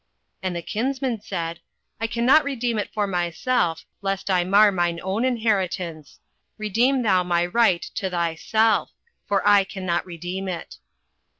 08:004:006 And the kinsman said, I cannot redeem it for myself, lest I mar mine own inheritance: redeem thou my right to thyself; for I cannot redeem it.